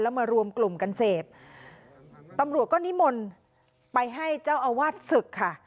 มารวมกลุ่มกันเสพตำรวจก็นิมนต์ไปให้เจ้าอาวาสศึกค่ะ